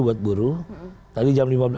buat buruh tadi jam lima belas